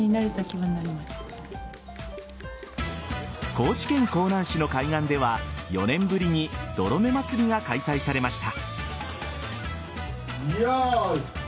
高知県香南市の海岸では４年ぶりにどろめ祭りが開催されました。